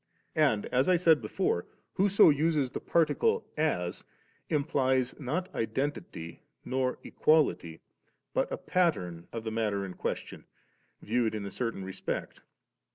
And, as I said before, whoso uses the particle *as' implies, not identity, nor equality, but a pattern of the matter in question, viewed in a certain respect «>.